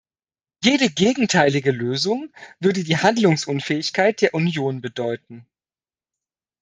Jede gegenteilige Lösung würde die Handlungsunfähigkeit der Union bedeuten.